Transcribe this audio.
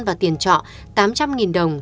và tiền trọ tám trăm linh đồng